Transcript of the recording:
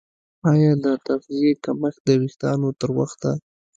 ایا د تغذیې کمښت د ویښتانو تر وخته